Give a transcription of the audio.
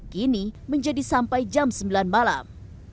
kini menjadi sampai jam sembilan malam